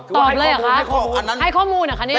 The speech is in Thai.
เลยเหรอคะให้ข้อมูลเหรอคะเนี่ย